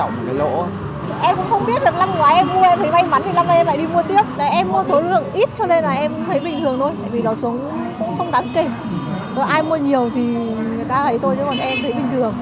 ai mua nhiều thì người ta lấy thôi nhưng mà em thấy bình thường